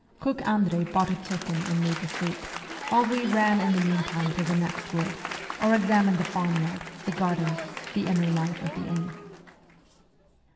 Cook Andrei bought a^ chicken and made the soup, while we ran in the meantime to the next wood, or examined the farm yard, the gardens, the inner life of the inn.